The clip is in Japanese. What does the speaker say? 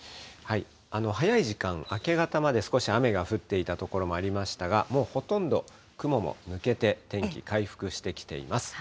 早い時間、明け方まで少し雨が降っていた所もありましたが、もうほとんど雲も抜けて、天気、回復してきています。